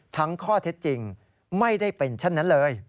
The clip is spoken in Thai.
ข้อเท็จจริงไม่ได้เป็นเช่นนั้นเลย